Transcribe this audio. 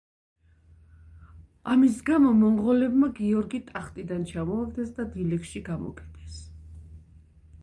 ამის გამო მონღოლებმა გიორგი ტახტიდან ჩამოაგდეს და დილეგში გამოკეტეს.